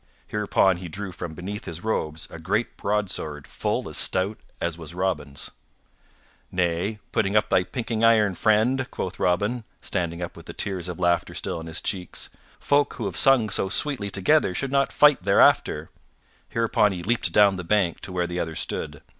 Hereupon he drew from beneath his robes a great broadsword full as stout as was Robin's. "Nay, put up thy pinking iron, friend," quoth Robin, standing up with the tears of laughter still on his cheeks. "Folk who have sung so sweetly together should not fight thereafter." Hereupon he leaped down the bank to where the other stood.